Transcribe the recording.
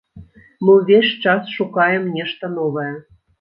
Мы ўвесь час шукаем нешта новае.